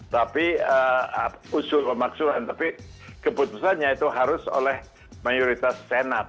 tapi usul pemaksulan tapi keputusannya itu harus oleh mayoritas senat